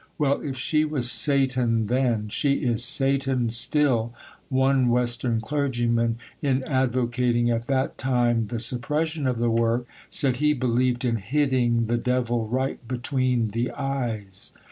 Well, if she was Satan then, she is Satan still (one Western clergyman, in advocating at that time the suppression of the work, said he believed in hitting the devil right between the eyes).